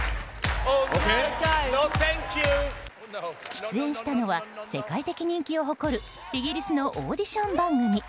出演したのは世界的人気を誇るイギリスのオーディション番組。